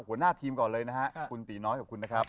หัวหน้าทีมก่อนเลยนะฮะคุณตีน้อยขอบคุณนะครับ